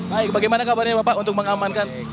baik bagaimana kabarnya bapak untuk mengamankan